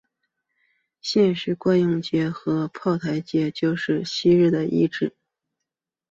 现时官涌街和炮台街就是昔日的遗址。